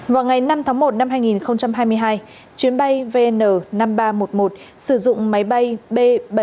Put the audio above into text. vào ngày năm tháng một năm hai nghìn hai mươi hai chuyến bay vn năm nghìn ba trăm một mươi một sử dụng máy bay b bảy trăm tám mươi bảy tám trăm sáu mươi tám